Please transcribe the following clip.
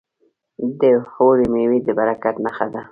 د اوړي میوې د برکت نښه ده.